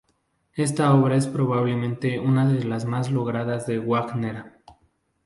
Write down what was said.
Esta obra es probablemente una de las más logradas de Wagner.